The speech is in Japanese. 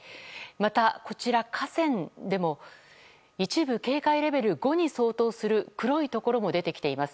また、こちら河川でも一部警戒レベル５に相当する黒いところも出てきています。